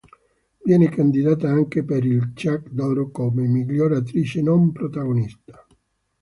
Viene candidata anche per il Ciak d'oro come miglior attrice non protagonista.